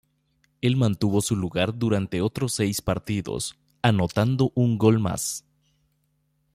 El mantuvo su lugar durante otros seis partidos, anotando un gol más.